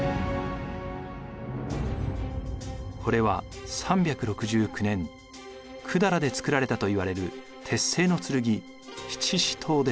これは３６９年百済で作られたといわれる鉄製の剣七支刀です。